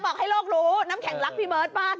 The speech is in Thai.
บอกให้โลกรู้น้ำแข็งรักพี่เบิร์ตมาก